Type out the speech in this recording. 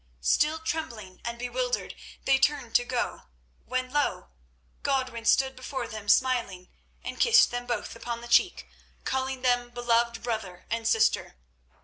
Still trembling and bewildered, they turned to go, when lo! Godwin stood before them smiling, and kissed them both upon the cheek, calling them "Beloved brother and sister."